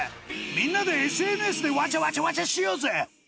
みんなでＳＮＳでわちゃわちゃわちゃしようぜ！